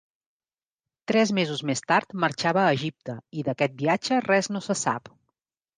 Tres mesos més tard marxava a Egipte, i d'aquest viatge res no se sap.